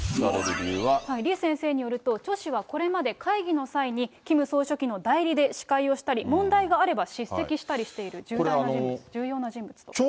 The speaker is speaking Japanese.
李先生によると、チョ氏はこれまで、会議の際にキム総書記の代理で司会をしたり、問題があれば叱責したりしている重要な人物だと。